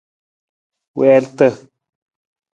Wiirata.